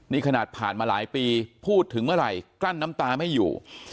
นี่ขนาดผ่านมาหลายปีพูดถึงเมื่อไหร่กลั้นน้ำตาไม่อยู่